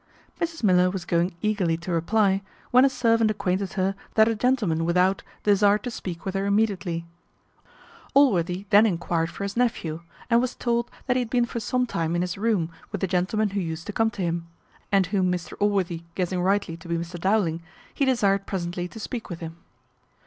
Mrs Miller was going eagerly to reply, when a servant acquainted her that a gentleman without desired to speak with her immediately. Allworthy then enquired for his nephew, and was told that he had been for some time in his room with the gentleman who used to come to him, and whom Mr Allworthy guessing rightly to be Mr Dowling, he desired presently to speak with him.